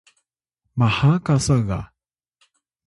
maha kasa ga